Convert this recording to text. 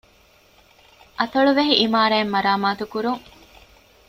އަތޮޅުވެހި އިމާރާތް މަރާމާތުކުރުން